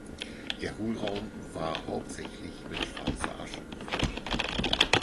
Der Hohlraum war „hauptsächlich mit schwarzer Asche gefüllt“.